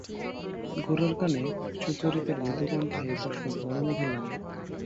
গোরার কানে সুচরিতার মৃদু কণ্ঠের এই প্রশ্ন বড়ো মধুর লাগিল।